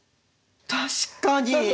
確かに！